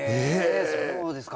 そうですか！